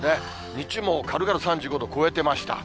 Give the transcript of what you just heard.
日中もかるがる３５度を超えてました。